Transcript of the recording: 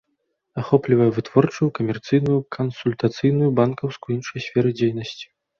Ахоплівае вытворчую, камерцыйную, кансультацыйную, банкаўскую і іншыя сферы дзейнасці.